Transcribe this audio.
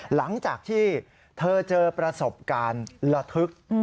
หลังจากที่เธอเจอประสบการณ์ระทึก